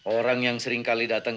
orang yang seringkali datang